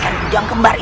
aku tidak percaya